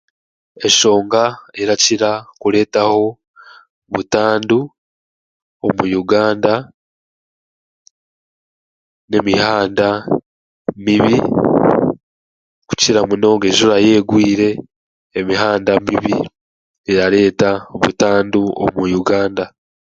Eshonga erakira kureetaho butandu omu Uganda n'emihanda mibi kukira munonga enjura yeegwire, emihanda mibi erareeta butandu omu Uganda